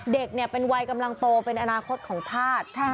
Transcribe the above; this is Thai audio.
เด็กเป็นวัยกำลังโตเป็นอนาคตของชาติ